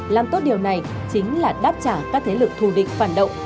làm tốt điều này chính là đáp trả các thế lực thù địch phản động